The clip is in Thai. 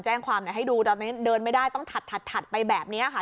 แจ้งความให้ดูตอนนั้นเดินไม่ได้ต้องถัดไปแบบนี้ค่ะ